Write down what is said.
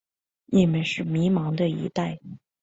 你们是迷惘的一代。